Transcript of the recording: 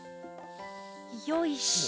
よいしょ。